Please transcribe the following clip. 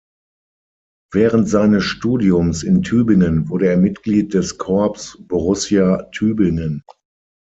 Während seines Studiums in Tübingen wurde er Mitglied des Corps Borussia Tübingen.